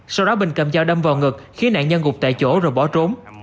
sau đó bình cầm dao đâm vào ngực khiến nạn nhân gục tại chỗ rồi bỏ trốn